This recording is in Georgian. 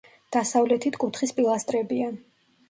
დასავლეთით კუთხის პილასტრებია.